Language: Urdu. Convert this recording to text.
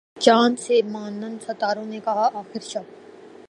چاند سے ماند ستاروں نے کہا آخر شب